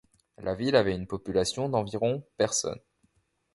La ville avait une population d'environ personnes.